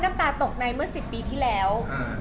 น้ำตาตกในเมื่อ๑๐ปีที่แล้ว